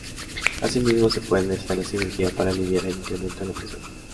Asimismo, se puede necesitar la cirugía para aliviar el incremento en la presión.